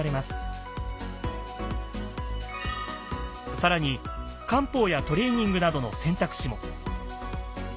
更に漢方やトレーニングなどの選択肢も。